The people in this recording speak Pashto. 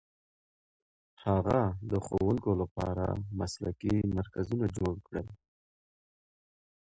هغه د ښوونکو لپاره مسلکي مرکزونه جوړ کړل.